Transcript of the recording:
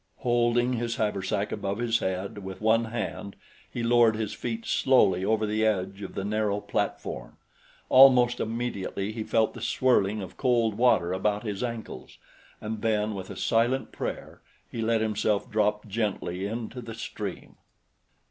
Holding his haversack above his head with one hand he lowered his feet slowly over the edge of the narrow platform. Almost immediately he felt the swirling of cold water about his ankles, and then with a silent prayer he let himself drop gently into the stream.